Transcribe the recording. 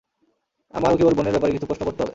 আমার ওকে ওর বোনের ব্যাপারে কিছু প্রশ্ন করতে হবে।